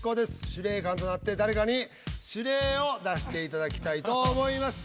司令官となって誰かに指令を出していただきたいと思います。